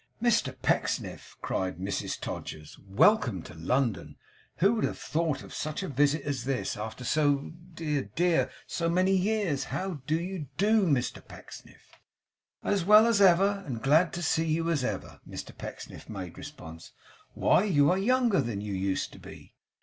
'Mr Pecksniff!' cried Mrs Todgers. 'Welcome to London! Who would have thought of such a visit as this, after so dear, dear! so many years! How do you DO, Mr Pecksniff?' 'As well as ever; and as glad to see you, as ever;' Mr Pecksniff made response. 'Why, you are younger than you used to be!